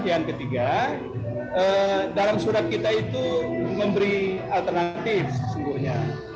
yang ketiga dalam surat kita itu memberi alternatif sesungguhnya